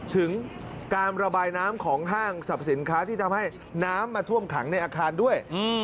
ถึงการระบายน้ำของห้างสรรพสินค้าที่ทำให้น้ำมาท่วมขังในอาคารด้วย